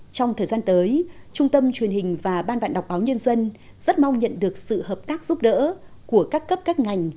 trong thời gian tới trung tâm truyền hình và ban bạn đọc báo nhân dân rất mong nhận được sự hợp tác giúp đỡ của các cấp các ngành